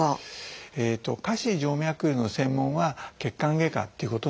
下肢静脈りゅうの専門は血管外科っていうことになる。